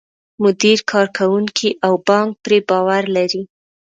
مدیر، کارکوونکي او بانک پرې باور لري.